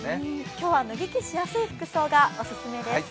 今日は脱ぎ着しやすい服装がおすすめです。